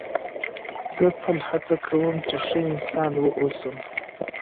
زه تل هڅه کوم، چي ښه انسان واوسم.